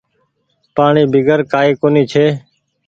پآڻيٚ بيگر ڪآئي ڪونيٚ ڇي۔